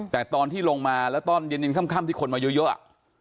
แต่ตอนที่ลงมาแล้วตอนเย็นค่ำที่คนมาเยอะ